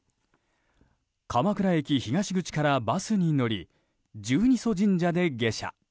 鎌倉駅東口からバスに乗り十二所神社で下車。